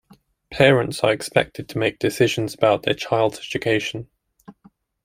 Parents are expected to make decisions about their child's education.